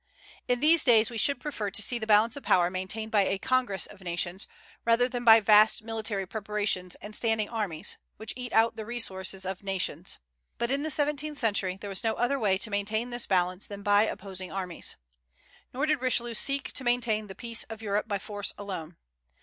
In these days we should prefer to see the "balance of power" maintained by a congress of nations, rather than by vast military preparations and standing armies, which eat out the resources of nations; but in the seventeenth century there was no other way to maintain this balance than by opposing armies. Nor did Richelieu seek to maintain the peace of Europe by force alone.